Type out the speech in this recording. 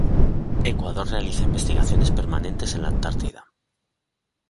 Ecuador realiza investigaciones permanentes en la Antártida.